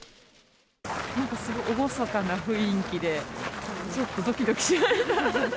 なんかすごい厳かな雰囲気で、ちょっとどきどきしました。